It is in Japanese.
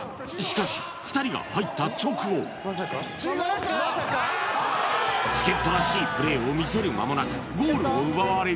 しかし助っ人らしいプレーを見せる間もなくゴールを奪われる